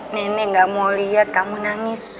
nenek gak mau lihat kamu nangis